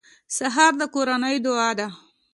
سهار د کورنۍ دعا ده.